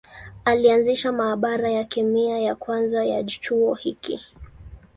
Alianzisha maabara ya kemia ya kwanza ya chuo hiki.